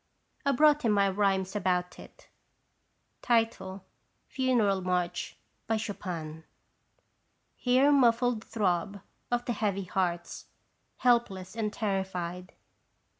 I brought him my rhymes about it. FUNERAL MARCH. Chopin. Hear muffled throb of the heavy hearts, helpless and terrified.